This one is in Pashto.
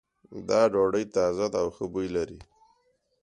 دا ډوډۍ تازه ده او ښه بوی لری